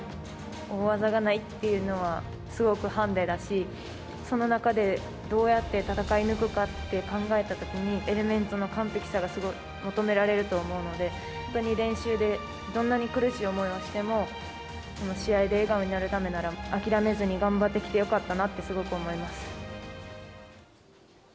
大技がないっていうのは、すごくハンデだし、その中でどうやって戦い抜くかって考えたときに、エレメンツの完璧さがすごく求められると思うので、本当に練習でどんなに苦しい思いをしても、試合で笑顔になるためなら、諦めずに頑張ってきてよかったなって、すごく思います。